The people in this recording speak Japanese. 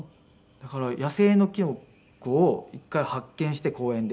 だから野生のキノコを一回発見して公園で。